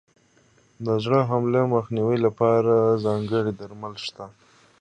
د زړه حملې مخنیوي لپاره ځانګړي درمل شته.